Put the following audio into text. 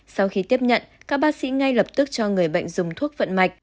sau khi tiếp nhận các bác sĩ ngay lập tức cho người bệnh dùng thuốc vận mạch